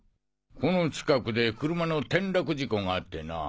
この近くで車の転落事故があってな。